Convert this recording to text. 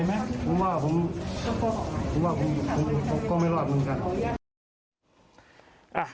ผมว่าผมว่าผมก็ไม่รอดเหมือนกัน